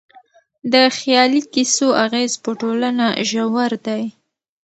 د خيالي کيسو اغېز په ټولنه ژور دی.